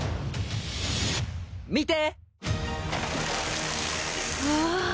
見て！